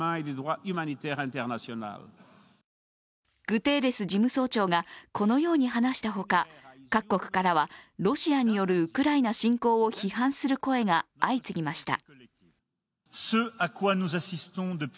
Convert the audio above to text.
グテーレス事務総長がこのように話したほか各国からはロシアによるウクライナ侵攻を批判する声が相次ぎました。